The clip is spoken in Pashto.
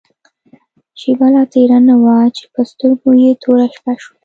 شېبه لا تېره نه وه چې په سترګو يې توره شپه شوه.